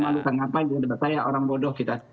memalukan apa jangan dibatalkan ya orang bodoh kita